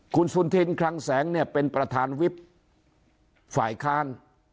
คุณสุธินคลังแสงเป็นประธานวิทย์ฝ่ายคาน